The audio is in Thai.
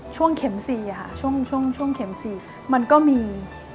ช่วงเข็มสีค่ะมันก็มี